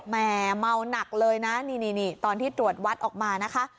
แม่เมาหนักเลยนะนี่ตอนที่ตรวจวัดออกมานะคะ